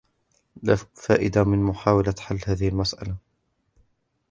لا فائدة من محاولة حل هذه المسألة.